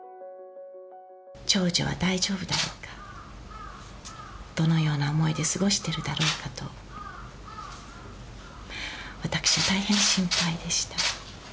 長女は大丈夫だろうか、どのような思いで過ごしているだろうかと、私は大変心配でした。